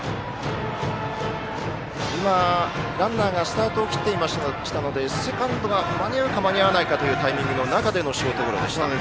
今、ランナーがスタートを切っていましたのでセカンドが間に合うか間に合わないかというタイミングの中でのショートゴロでした。